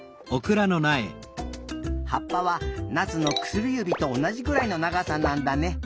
はっぱはなつのくすりゆびとおなじぐらいのながさなんだね。